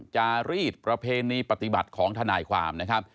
จารีดประเพณีปฏิบัติของทนายความนะครับ